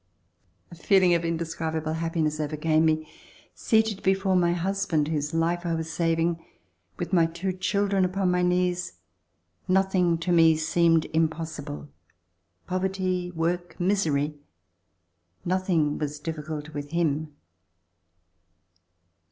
a feehng of indescribable happiness overcame me. Seated before my husband whose life I was sav ing, with my two children upon my knees, nothing to me seemed impossible. Poverty, work, misery, nothing was difficult with him.